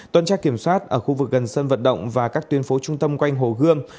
toàn trác kiểm soát ở khu vực gần sân vận động và các tuyên phố trung tâm quanh hồ gương